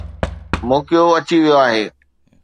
موقعو اچي ويو آهي.